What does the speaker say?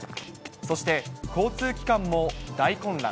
そして交通機関も大混乱。